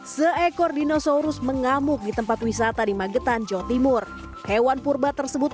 seekor dinosaurus mengamuk di tempat wisata di magetan jawa timur hewan purba tersebut